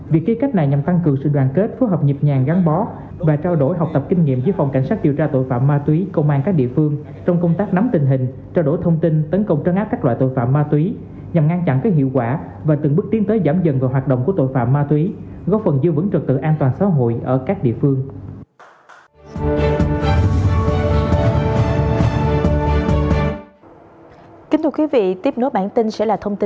việc ký kết này nhằm phăng cường sự đoàn kết phối hợp nhịp nhàng gắn bó và trao đổi học tập kinh nghiệm với phòng cảnh sát điều tra tội phạm ma túy công an các địa phương trong công tác nắm tình hình trao đổi thông tin tấn công trân áp các loại tội phạm ma túy nhằm ngăn chặn các hiệu quả và từng bước tiến tới giảm dần vào hoạt động của tội phạm ma túy góp phần dư vững trật tự an toàn xã hội ở các địa phương